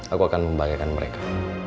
aku akan membahagiakan mereka